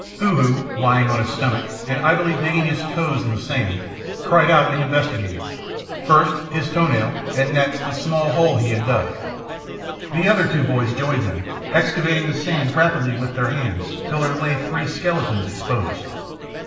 Hoo Hoo, lying on his stomach and idly digging his toes in the sand, cried out and investigated, first, his toe nail, and next, the small hole he had dug. The other two boys joined him, excavating the sand rapidly with their hands till there lay three skeletons exposed.